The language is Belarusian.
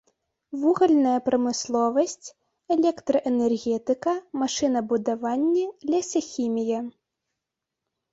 Вугальная прамысловасць, электраэнергетыка, машынабудаванне, лесахімія.